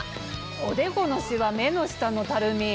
おでこのシワ目の下のたるみ。